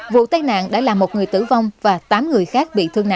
vụ tai nạn đã làm một người tử vong và tám người khác